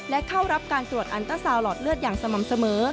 และเข้ารับการตรวจอันตราซาวนหลอดเลือดอย่างสม่ำเสมอ